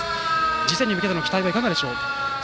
次戦に向けて期待はいかがでしょう？